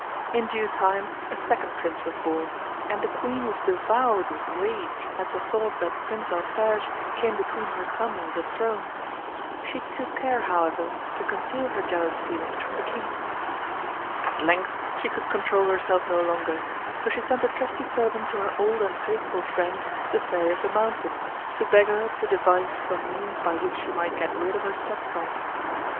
In due time a second Prince was born, and the Queen was devoured with rage at the thought that Prince Alphege came between her son and the throne. She took care however to conceal her jealous feelings from the King. At length she could control herself no longer, so she sent a trusty servant to her old and faithful friend the Fairy of the Mountain, to beg her to devise some means by which she might get rid of her stepson.